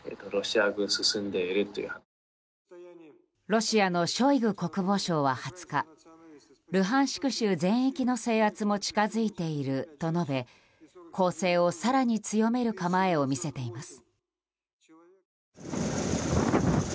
ロシアのショイグ国防相は２０日ルハンシク州全域の制圧も近づいていると述べ攻勢を更に強める構えを見せています。